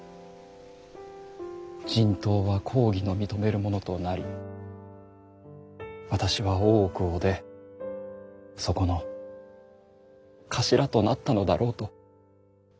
人痘は公儀の認めるものとなり私は大奥を出そこの頭となったのだろうと。